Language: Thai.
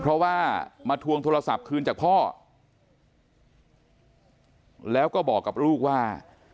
เพราะว่ามาทวงโทรศัพท์คืนจากพ่อแล้วก็บอกกับลูกว่า